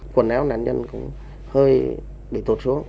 quần áo nạn nhân cũng hơi bị tụt xuống